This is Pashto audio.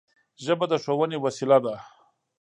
ژبه د ښوونې وسیله ده